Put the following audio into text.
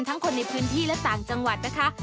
คนในพื้นที่และต่างจังหวัดนะคะ